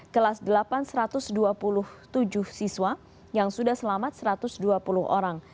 kelas delapan satu ratus dua puluh tujuh siswa yang sudah selamat satu ratus dua puluh orang